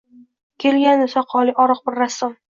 Kelgandi soqolli oriq bir rassom.